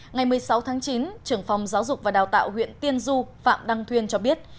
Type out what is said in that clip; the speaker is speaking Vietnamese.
ngày một mươi sáu tháng chín trưởng phòng giáo dục và đào tạo huyện tiên du phạm đăng thuyên cho biết